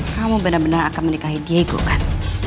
kamu benar benar akan menikahi diego kan